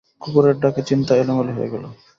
কুকুরের ডাকে চিন্তা এলোমেলো হয়ে গেল।